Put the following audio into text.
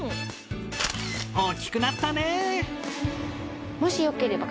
大きくなったね。